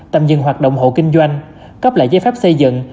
tạm dừng hoạt động hộ kinh doanh cấp lại giấy phép xây dựng